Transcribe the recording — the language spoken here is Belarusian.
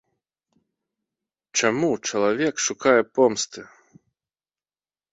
Чаму чалавек шукае помсты?